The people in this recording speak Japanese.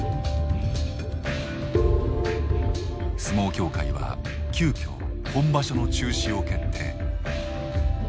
相撲協会は急きょ本場所の中止を決定。